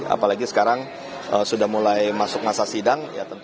apalagi sekarang sudah mulai masuk masa sidang